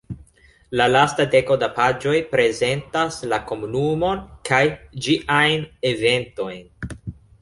La lasta deko da paĝoj prezentas la komunumon kaj ĝiajn eventojn.